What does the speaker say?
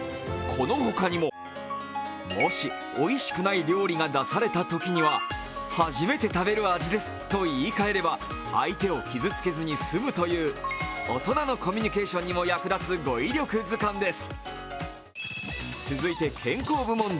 この他にももし、おいしくない料理が出たときには初めて食べる味ですと言い換えれば、相手を傷つけずに済むという、大人のコミュニケーションにも役立つ語彙力図鑑です。